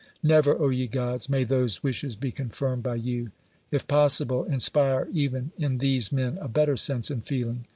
Never, ye gods, may those wishes be con firmed by you ! If possible, inspire even in these men a better sense and feeling